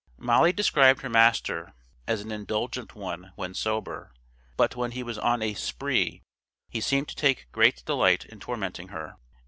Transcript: Molly described her master as an indulgent one when sober, but when he was on a "spree" he seemed to take great delight in tormenting her.